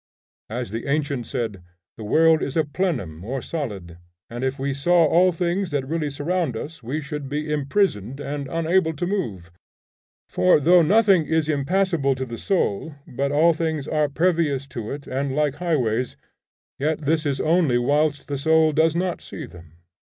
As the ancient said, the world is a plenum or solid; and if we saw all things that really surround us we should be imprisoned and unable to move. For though nothing is impassable to the soul, but all things are pervious to it and like highways, yet this is only whilst the soul does not see them.